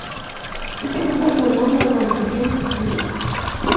Este grupo formó la organización Lt.